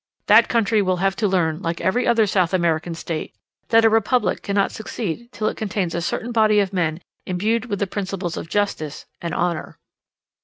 That country will have to learn, like every other South American state, that a republic cannot succeed till it contains a certain body of men imbued with the principles of justice and honour.